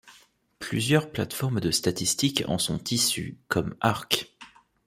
Plusieurs plateformes de statistique en sont issues comme Arc.